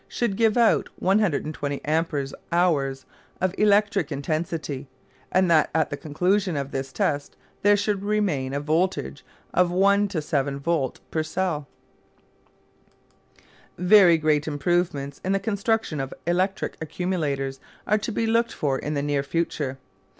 should give out 120 ampere hours of electric intensity; and that at the conclusion of the test there should remain a voltage of 1·7 volt per cell. Very great improvements in the construction of electric accumulators are to be looked for in the near future.